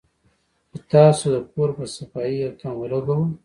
چې تاسو د کور پۀ صفائي يو تن ولګوۀ